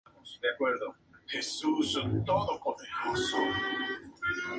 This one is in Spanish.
La endogamia hubo de condicionar la salud del artista.